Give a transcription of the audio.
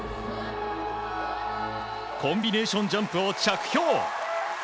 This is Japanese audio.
コンビネーションジャンプを着氷。